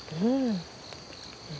うん。